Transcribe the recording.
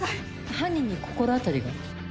犯人に心当たりが？